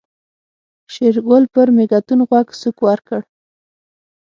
شېرګل پر مېږتون غوږ سوک ورکړ.